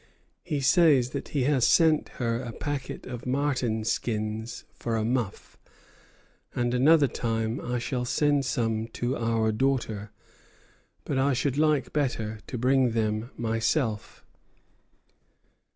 He says that he has sent her a packet of marten skins for a muff; "and another time I shall send some to our daughter; but I should like better to bring them myself."